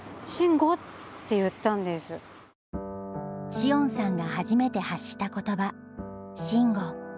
詩音さんがはじめて発した言葉「しんご」。